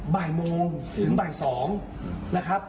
บ่ายโมงถึงบ่าย๒นะครับ